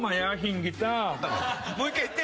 「もう１回言って。